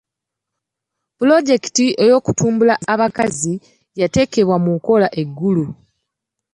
Pulojekiti y'okutumbula abakazi yateekebwa mu nkola e Gulu.